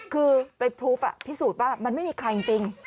คือไปพลูฟพิสูจน์ว่ามันไม่มีใครจริง